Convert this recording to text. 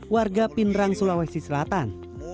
warga pindrang sulawesi selatan